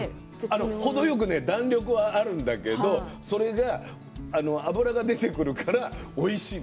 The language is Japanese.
程よく弾力があるんでそれが脂が出てくるからおいしいの。